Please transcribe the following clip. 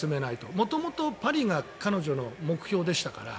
元々、パリが彼女の目標でしたから。